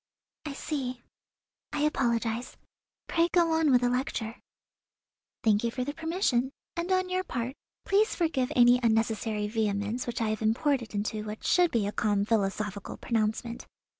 "I see; I apologize. Pray go on with the lecture." "Thank you for the permission, and on your part please forgive any unnecessary vehemence which I have imported into what should be a calm philosophical pronouncement.